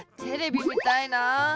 テレビみたいな。